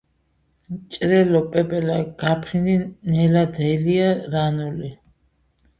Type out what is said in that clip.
ჭრელო პეპელა გაფრინდი ნელა დელია რანული.